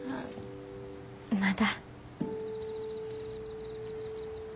まだ。